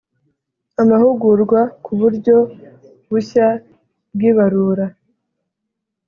Amahugurwa ku buryo bushya bw ibarura